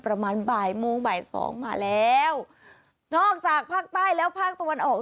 ประมาณบ่ายโมงบ่ายสองมาแล้วนอกจากภาคใต้แล้วภาคตะวันออก